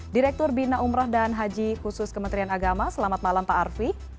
direktur bina umroh dan haji khusus kementerian agama selamat malam pak arfi